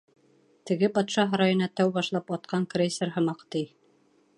Теге батша һарайына тәү башлап атҡан крейсер һымаҡ, ти.